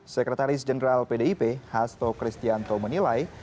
sekretaris jenderal pdip hasto kristianto menilai